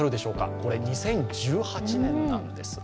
これ２０１８年なんです。